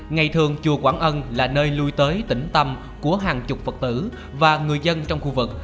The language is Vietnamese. ngày thường chùa quảng ân là nơi lui tới tỉnh tâm của hàng chục phật tử và người dân trong khu vực